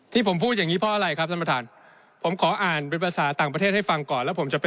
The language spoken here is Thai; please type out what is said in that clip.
ที่ผมพูดอย่างงี้เพราะอะไรครับ